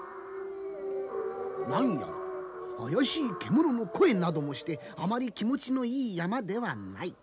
何やらあやしい獣の声などもしてあまり気持ちのいい山ではない。